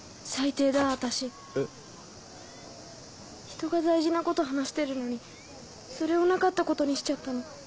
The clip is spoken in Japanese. ひとが大事なこと話してるのにそれをなかったことにしちゃったの。